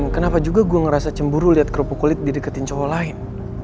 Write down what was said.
kenapa gua ngerasa cemburu lihat kerupuk kulit dideketin orang lain